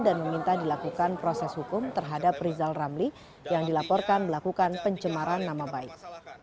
dan meminta dilakukan proses hukum terhadap rizal ramli yang dilaporkan melakukan pencemaran nama baik